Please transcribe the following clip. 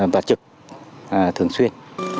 bà trực thường xuyên